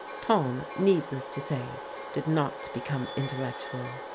Tom, needless to say, did not become intellectual.